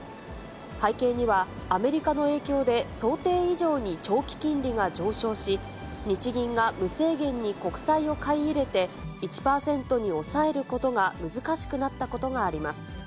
背景には、アメリカの影響で、想定以上に長期金利が上昇し、日銀が無制限に国債を買い入れて、１％に抑えることが難しくなったことがあります。